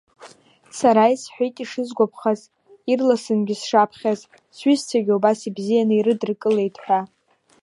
Сара исҳәеит ишысгәаԥхаз, ирласынгьы сшаԥхьаз, сҩызцәагьы убас ибзианы ирыдыркылеит ҳәа.